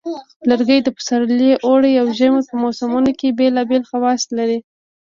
لرګي د پسرلي، اوړي، او ژمي په موسمونو کې بیلابیل خواص لري.